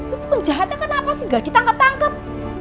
itu penjahatnya kenapa sih ga ditangkap tangkap